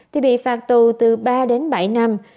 thì bị phạt tù từ ba bảy năm